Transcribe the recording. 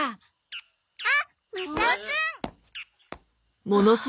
あっマサオくん。はあ。